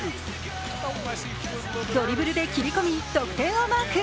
ドリブルで切り込み得点をマーク。